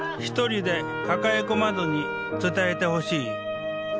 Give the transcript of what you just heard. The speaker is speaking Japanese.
一人で抱え込まずに伝えてほしい。